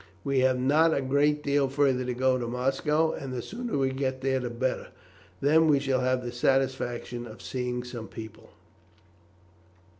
"We have not a great deal further to go to Moscow, and the sooner we get there the better. Then we shall have the satisfaction of seeing some people."